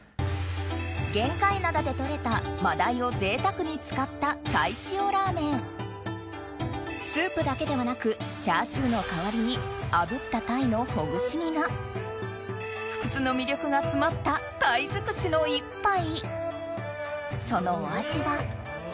玄界灘で獲れたマダイを贅沢に使った鯛塩ラーメンスープだけではなくチャーシューの代わりにあぶった鯛のほぐし身が福津の魅力が詰まった鯛尽くしの一杯そのお味は？